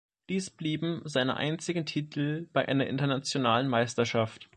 Dies blieben seine einzigen Titel bei einer internationalen Meisterschaft.